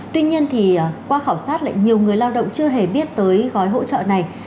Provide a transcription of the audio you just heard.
tuy nhiên thì qua khảo sát lại nhiều người lao động chưa hề biết tới gói hỗ trợ này